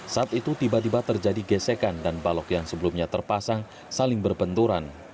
saat itu tiba tiba terjadi gesekan dan balok yang sebelumnya terpasang saling berbenturan